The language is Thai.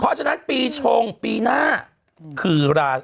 เพราะฉะนั้นปีชงปีหน้า